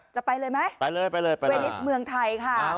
เวนิสเมืองไทยค่ะ